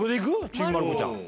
『ちびまる子ちゃん』。